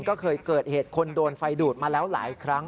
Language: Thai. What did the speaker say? ก็เคยเกิดเหตุคนโดนไฟดูดมาแล้วหลายครั้ง